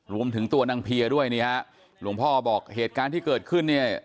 รวมถึงตัวนางเพียด้วยนี่ฮะหลวงพ่อบอกเหตุการณ์ที่เกิดขึ้นเนี่ย